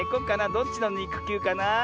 どっちのにくきゅうかな。